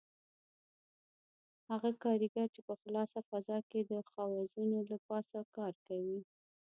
هغه کاریګر چې په خلاصه فضا کې د خوازونو له پاسه کار کوي.